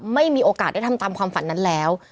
ไม่มีโอกาสได้ทำตามความฝันนั้นแล้ว